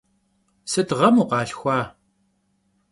Sıt ğem vukhalhxua?